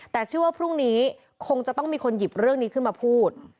แต่เชื่อว่าพรุ่งนี้คงจะต้องมีคนหยิบเรื่องนี้ขึ้นมาพูด